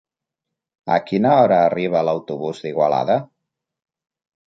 A quina hora arriba l'autobús d'Igualada?